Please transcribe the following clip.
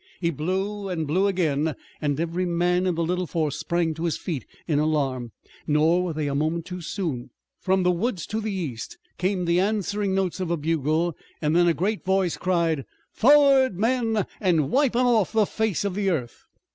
He blew and blew again, and every man in the little force sprang to his feet in alarm. Nor were they a moment too soon. From the woods to the east came the answering notes of a bugle and then a great voice cried: "Forward men an' wipe 'em off the face of the earth!"